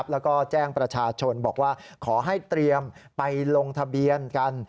แล้วก็แจ้งประชาชนบอกว่าขอให้เตรียมไปลงทะเบียนกัน